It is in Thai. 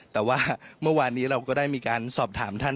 แต่ว่าเมื่อวานนี้เราก็ได้มีการสอบถามท่าน